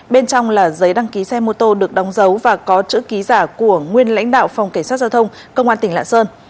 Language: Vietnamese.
bên trong là giấy đăng ký xe mô tô được đóng dấu và có chữ ký giả của nguyên lãnh đạo phòng cảnh sát giao thông công an tỉnh lạng sơn